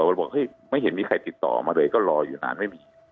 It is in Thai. มันบอกเฮ้ยไม่เห็นมีใครติดต่อมาเลยก็รออยู่นานไม่มี